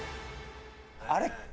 あれ？